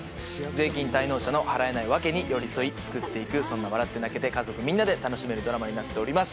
税金滞納者の払えないワケに寄り添い救っていくそんな笑って泣けて家族みんなで楽しめるドラマになっております。